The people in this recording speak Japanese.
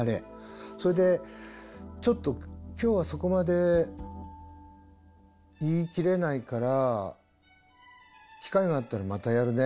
それでちょっと今日はそこまで言い切れないから機会があったらまたやるね。